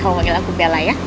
kamu panggil aku bella ya